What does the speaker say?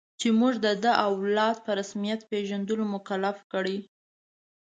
چې موږ د ده او اولاد په رسمیت پېژندلو مکلف کړي.